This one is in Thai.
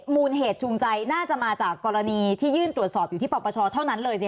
มูลเหตุจูงใจน่าจะมาจากกรณีที่ยื่นตรวจสอบอยู่ที่ปปชเท่านั้นเลยสิ